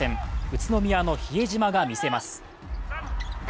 宇都宮の比江島が見せます。